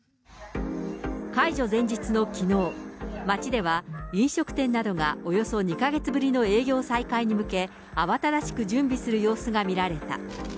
解除前日のきのう、街では飲食店などがおよそ２か月ぶりの営業再開に向け、慌ただしく準備する様子が見られた。